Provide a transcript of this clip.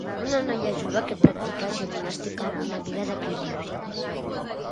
Una noia jove que practica gimnàstica en una biga d'equilibri.